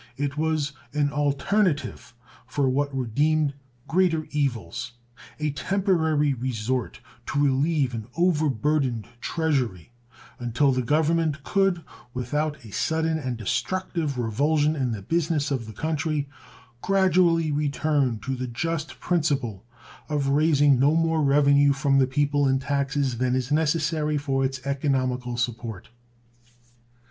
It was an alternative for what were deemed greater evils a temporary resort to relieve an over burdened treasury until the Government could, without a sudden and destructive revulsion in the business of the country, gradually return to the just principle of raising no more revenue from the people in taxes than is necessary for its economical support.